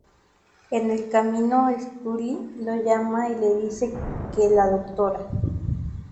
En el camino Scully lo llama y le dice que la Dra.